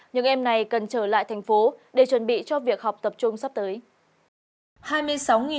những em này cần trở lại tp hcm để chuẩn bị cho việc học tập trung sắp tới